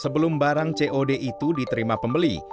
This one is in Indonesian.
sebelum barang cod itu diterima pembeli